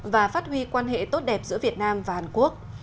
và phát huy quan hệ tốt đẹp giữa việt nam và hàn quốc